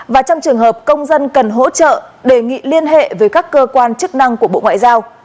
và trong trường hợp công dân cần hỗ trợ đề nghị liên hệ với các cơ quan chức năng của bộ ngoại giao